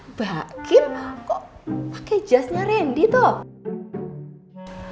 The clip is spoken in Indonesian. mbak kib kok pakai jasnya randy tuh